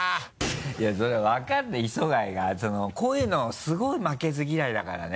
いやそりゃ分かるって磯貝がこういうのすごい負けず嫌いだからね。